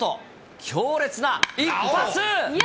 強烈な一発。